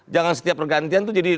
jangan setiap pergantian itu jadi